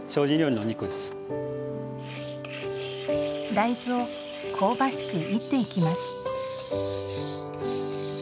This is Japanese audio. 大豆を香ばしくいっていきます。